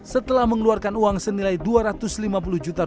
setelah mengeluarkan uang senilai dua rupiahs